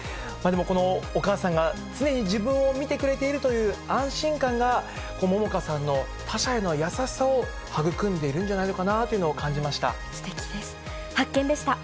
でも、このお母さんが常に自分を見てくれているという安心感が、杏果さんの他者への優しさを育んでいるんじゃないのかなというのすてきです。